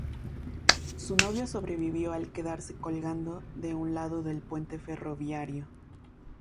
Su novio sobrevivió al quedarse colgando de un lado del puente ferroviario.